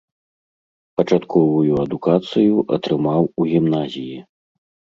Пачатковую адукацыю атрымаў у гімназіі.